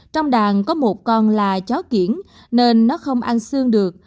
trong đàn có một con là chó kiển nên nó không ăn xương được